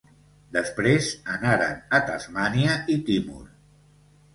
Després anaren a Tasmània i Timor.